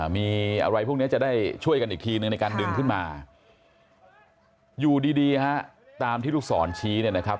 มีอะไรพวกนี้จะได้ช่วยกันอีกทีหนึ่งในการดึงขึ้นมาอยู่ดีฮะตามที่ลูกศรชี้เนี่ยนะครับ